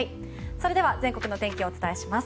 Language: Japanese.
それでは、全国の天気をお伝えします。